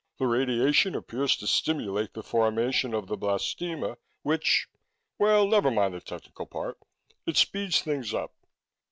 The radiation appears to stimulate the formation of the blastema, which well, never mind the technical part. It speeds things up."